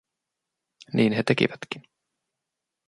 Niin he tekivätkin.